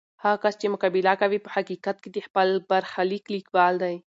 هغه کس چې مقابله کوي، په حقیقت کې د خپل برخلیک لیکوال دی.